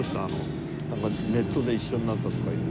なんかネットで一緒になったとかいう。